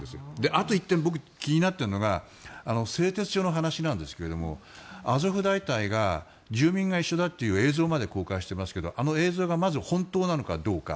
あと１点僕、気になっているのが製鉄所の話なんですがアゾフ大隊が住民が一緒だという映像まで公開していますけどあの映像が本当なのかどうか。